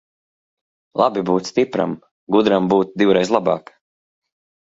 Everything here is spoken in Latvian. Labi būt stipram, gudram būt divreiz labāk.